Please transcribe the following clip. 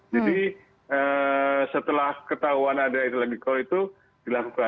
jadi setelah ketahuan ada ethylene glikol itu dilakukan